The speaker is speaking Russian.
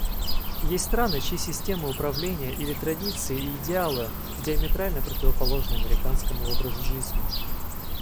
Есть страны, чьи системы управления или традиции и идеалы диаметрально противоположны американскому образу жизни.